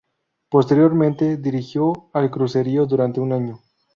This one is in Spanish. Posteriormente, dirigió al Cruzeiro durante un año.